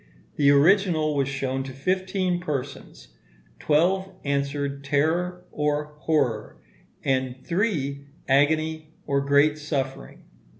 The original was shown to fifteen persons; twelve answered terror or horror, and three agony or great suffering.